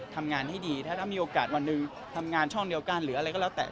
ทำงานให้ดีถ้ามีโอกาสวันหนึ่งทำงานช่องเดียวกันหรืออะไรก็แล้วแต่